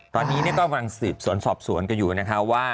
ตอนนี้ก็กำลังสืบสวนสอบสวนกันอยู่นะคะว่า